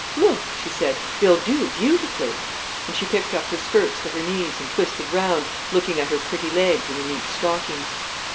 "Look!" she said. "They'll do beautifully." And she picked up her skirts to her knees, and twisted round, looking at her pretty legs in the neat stockings.